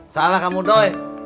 salah kamu doi